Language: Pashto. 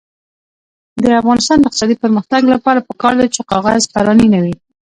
د افغانستان د اقتصادي پرمختګ لپاره پکار ده چې کاغذ پراني نه وي.